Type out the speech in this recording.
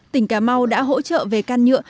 tỉnh cà mau đã hỗ trợ về can nhựa